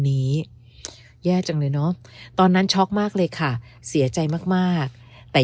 นี้แย่จังเลยเนอะตอนนั้นช็อกมากเลยค่ะเสียใจมากมากแต่